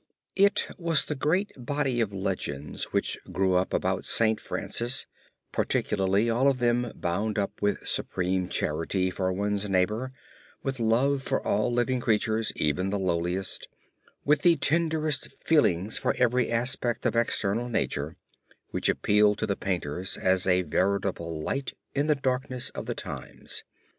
It was the great body of legends which grew up about St. Francis particularly, all of them bound up with supreme charity for one's neighbor, with love for all living creatures even the lowliest, with the tenderest feelings for every aspect of external nature, which appealed to the painters as a veritable light in the darkness of the times.